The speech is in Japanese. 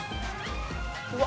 うわ！